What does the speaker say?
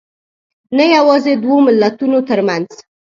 نه یوازې دوو ملتونو تر منځ